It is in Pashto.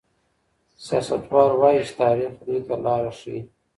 سياستوال وايي چي تاريخ دوی ته لاره ښيي.